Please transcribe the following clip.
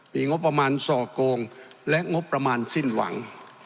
มีงบประมาณส่อโกงและงบประมาณสิ้นหวัง